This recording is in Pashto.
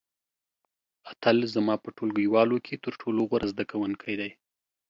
اتل زما په ټولګیوالو کې تر ټولو غوره زده کوونکی دی.